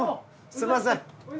すんません。